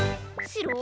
しろ？